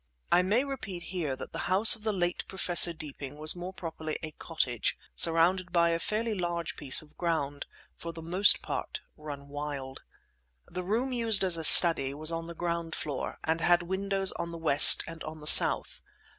I may repeat here that the house of the late Professor Deeping was more properly a cottage, surrounded by a fairly large piece of ground, for the most part run wild. The room used as a study was on the ground floor, and had windows on the west and on the south.